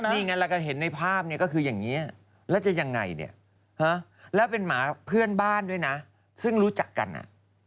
นี่ไงเราก็เห็นในภาพเนี่ยก็คืออย่างนี้แล้วจะยังไงเนี่ยแล้วเป็นหมาเพื่อนบ้านด้วยนะซึ่งรู้จักกันอ่ะ